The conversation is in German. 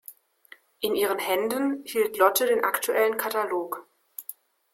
In ihren Händen hielt Lotte den aktuellen Katalog.